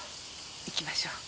行きましょう。